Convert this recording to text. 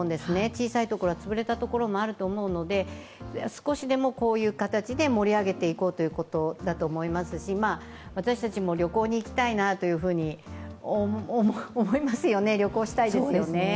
小さいところは潰れたところもあると思うので少しでもこういう形で盛り上げていこうということだと思いますし、私たちも旅行に行きたいなと思いますよね、旅行したいですよね。